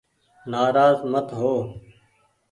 نآراز مت هو